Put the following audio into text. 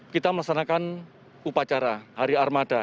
kita melaksanakan upacara hari armada